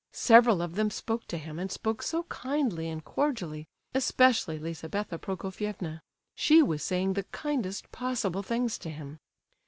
Several of them spoke to him, and spoke so kindly and cordially, especially Lizabetha Prokofievna—she was saying the kindest possible things to him.